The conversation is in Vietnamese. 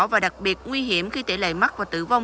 và đặc biệt nguy hiểm khi tỷ lệ mắc và tử vong